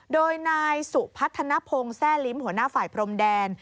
โดยนายสุพัฒนภงแซ่ลิ้มหัวหน้าฝ่ายพรมแดน